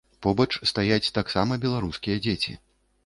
Побач стаяць таксама беларускія дзеці.